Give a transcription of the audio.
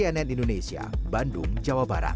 tim liputan cnn indonesia bandung jawa barat